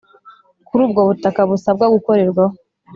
kuri ubwo butaka busabwa gukorerwaho